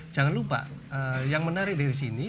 jangan lupa yang menarik dari sini